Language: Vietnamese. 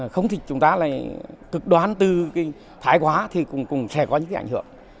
không thì chúng ta lại cực đoán từ cái thải hóa thì cũng sẽ có những cái ảnh hưởng